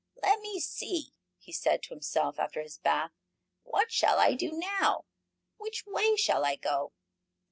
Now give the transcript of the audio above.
"Let me see," he said to himself, after his bath. "What shall I do now? Which way shall I go?"